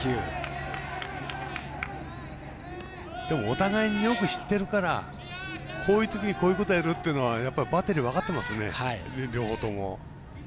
でも、お互いによく知ってるからこういうときにこういうことやるっていうのは分かってますよね、両方とも。